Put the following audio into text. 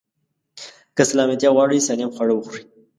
که سلامتيا غواړئ، سالم خواړه وخورئ.